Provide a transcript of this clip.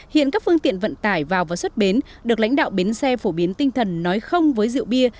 hiện các phương tiện vận tải vào và xuất bến được lãnh đạo bến xe phổ biến tinh thần nói không với rượu bia